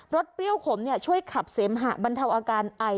เปรี้ยวขมช่วยขับเสมหะบรรเทาอาการไอ